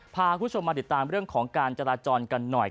พาคุณผู้ชมมาติดตามเรื่องของการจราจรกันหน่อย